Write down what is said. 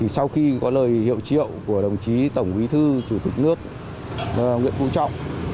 sau khi có lời hiệu triệu của đồng chí tổng bí thư chủ tịch nước nguyễn phú trọng